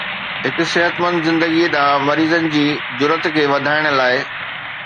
هڪ صحتمند زندگي ڏانهن مريضن جي جرئت کي وڌائڻ لاء